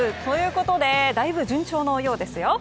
だいぶ順調のようですよ。